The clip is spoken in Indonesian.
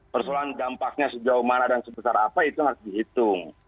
persoalan dampaknya sejauh mana dan sebesar apa itu harus dihitung